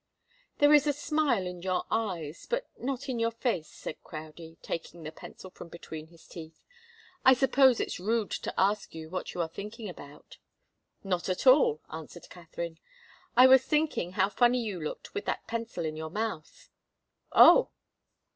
"There is a smile in your eyes, but not in your face," said Crowdie, taking the pencil from between his teeth. "I suppose it's rude to ask you what you are thinking about?" "Not at all," answered Katharine. "I was thinking how funny you looked with that pencil in your mouth." "Oh!"